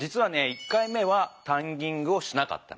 １回目は「タンギング」をしなかったのね。